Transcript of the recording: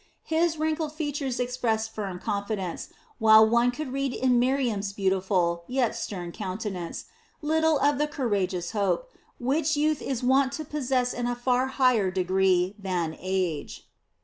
His wrinkled features expressed firm confidence, while one could read in Miriam's beautiful, yet stern countenance, little of the courageous hope, which youth is wont to possess in a far higher degree than age.